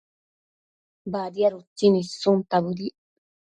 Badiad utsin issunta bëdic